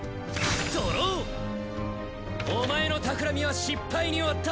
ドロー！お前のたくらみは失敗に終わった。